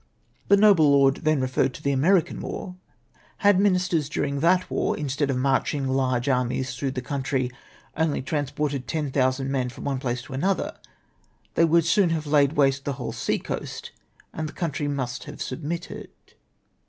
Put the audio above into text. " The noble lord then referred to the American war : had ministers during that war, instead of marching large armies through the country, only transported 10,000 men from one place to another, they would soon have laid waste the whole sea coast, and the country must have submitted.